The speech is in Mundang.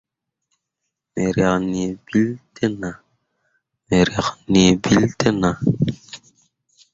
Me riak nii bill te nah.